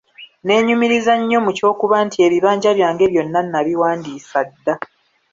Nneenyumiriza nnyo mu ky'okuba nti ebibanja byange byonna nabiwandiisa dda.